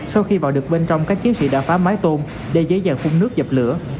sau khi vào được bên trong các chiến sĩ đã phá mái tôm để giấy dàn phun nước dập lửa